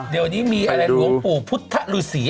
เดี๋ยวนี้มีอะไรหลวงปู่พุทธฤษี